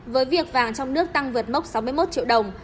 với việc vàng trong nước tăng vượt mốc sáu mươi một triệu đồng